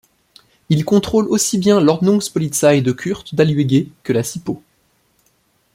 Il contrôle aussi bien l’Ordnungspolizei de Kurt Daluege que la Sipo.